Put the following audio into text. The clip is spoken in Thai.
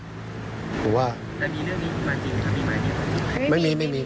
แล้วมีเรื่องนี้มีความจริงหรือไม่มีความจริง